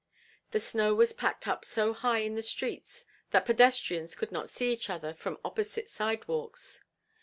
The snow was packed up so high in the streets that pedestrians could not see each other from opposite sidewalks.